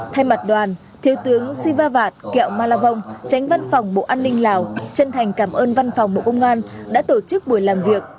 thay mặt đoàn thiếu tướng siva vạt kẹo malavong tránh văn phòng bộ an ninh lào chân thành cảm ơn văn phòng bộ công an đã tổ chức buổi làm việc